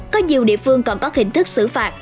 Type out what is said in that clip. có nhiều địa phương còn có hình thức xử phạt